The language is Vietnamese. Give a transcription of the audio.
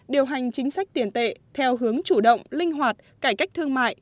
điều hành chính sách tiền tệ theo hướng chủ động linh hoạt cải cách thương mại